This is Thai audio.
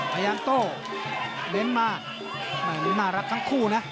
พยานโต้เด้นมารักทั้งคู่นะ